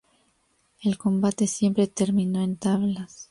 El combate siempre terminó en tablas.